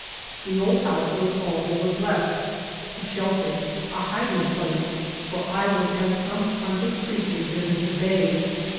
The old house was all there was left; a shelter, a hiding place, for I was as some hunted creature driven to bay.